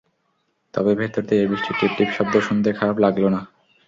তবে ভেতর থেকে বৃষ্টির টিপ টিপ শব্দ শুনতে খারাপ লাগল না।